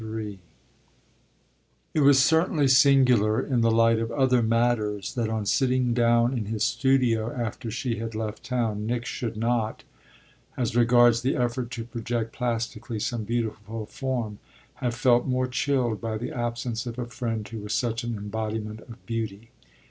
XXIII It was certainly singular, in the light of other matters, that on sitting down in his studio after she had left town Nick should not, as regards the effort to project plastically some beautiful form, have felt more chilled by the absence of a friend who was such an embodiment of beauty.